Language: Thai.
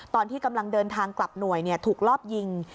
ตอนที่กำลังเดินทางกลับหน่วยถูกรอบยิง